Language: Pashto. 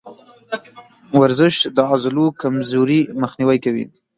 ورزش د عضلو کمزوري مخنیوی کوي.